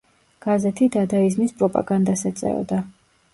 გაზეთი დადაიზმის პროპაგანდას ეწეოდა.